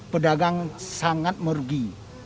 pedagang sangat merugi